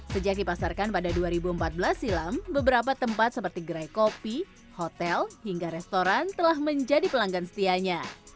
sejak dipasarkan pada dua ribu empat belas silam beberapa tempat seperti gerai kopi hotel hingga restoran telah menjadi pelanggan setianya